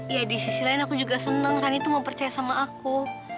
ya di sisi lain aku juga senang rani tuh mau percaya sama aku